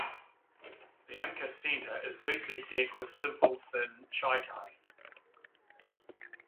The uncus centre is loosely set with simple thin chaetae.